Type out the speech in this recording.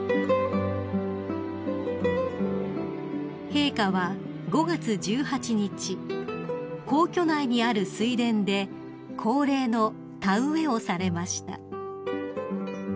［陛下は５月１８日皇居内にある水田で恒例の田植えをされました］